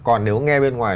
còn nếu nghe bên ngoài